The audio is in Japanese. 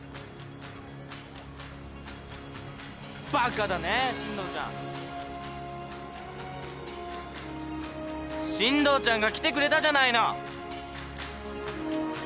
バカだね進藤ちゃん。進藤ちゃんが来てくれたじゃないの。